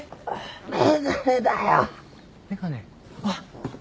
あっ！